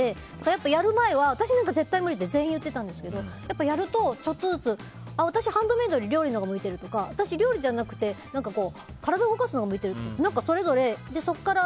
やっぱり、やる前は私なんか絶対無理って全員言ってたんですけどやるとちょっとずつ私、ハンドメイドより料理のほうが向いてるとか私、料理じゃなくて体を動かすほうが向いてるとかそれぞれあって。